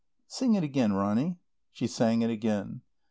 "Sing it again, Ronny." She sang it again.